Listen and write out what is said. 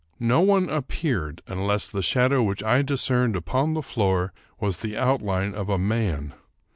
No one appeared, unless the shadow which I discerned upon the floor was the outline of a man.